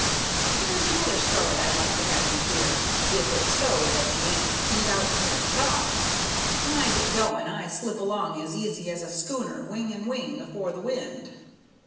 "There is another story I'd like to have ye hear, if it's so that you ain't beat out hearing me talk. When I get going I slip along as easy as a schooner wing and wing afore the wind.